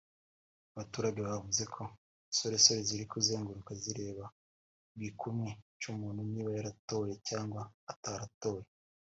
Abaturage bavuze ko insoresore ziri kuzenguruka zireba ku gikumwe cy’umuntu niba yaratoye cyangwa ataratoye